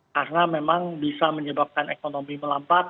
karena memang bisa menyebabkan ekonomi melambat